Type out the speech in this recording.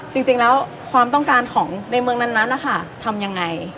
จริงแล้วความต้องการของในเมืองนั้นนะคะทำยังไง